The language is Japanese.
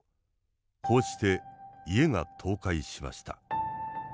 こうして家が倒壊しました。